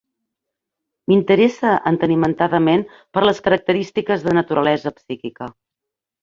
M'interesse entenimentadament per les característiques de naturalesa psíquica.